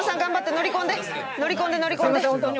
乗り込んで乗り込んで。